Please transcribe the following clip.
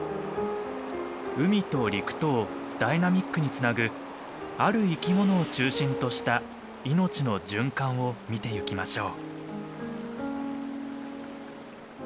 海と陸とをダイナミックにつなぐある生き物を中心とした命の循環を見てゆきましょう。